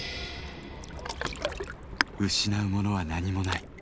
失うものは何もない。